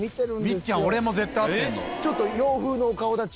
みっちゃん俺も絶対会ってるの。